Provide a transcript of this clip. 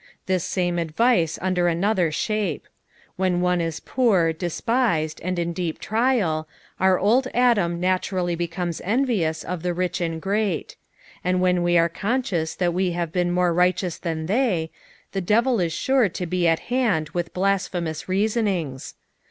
'" The same advice under another shape. When one is poor, despised, and in deep trial, our old Adnm naturally becomes envious of the rich and great ; and when we are con scious that we have been more righteons than they, the devil is sure to be at hand with blasphemous reasonings.